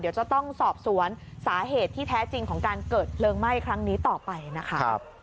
เดี๋ยวจะต้องสอบสวนสาเหตุที่แท้จริงของการเกิดเพลิงไหม้ครั้งนี้ต่อไปนะคะ